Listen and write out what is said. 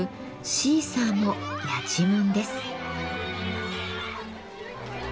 シーサーもやちむんです。